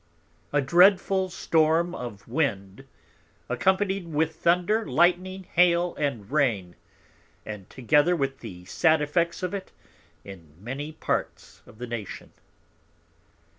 _A dreadful Storm of Wind, accompanied with Thunder, Lightning, Hail and Rain; together with the sad Effects of it in many Parts of the Nation.